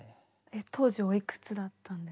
当時おいくつだったんですか？